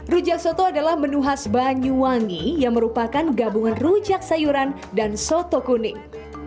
rujak soto adalah menu khas banyuwangi yang merupakan gabungan rujak sayuran dan soto kuning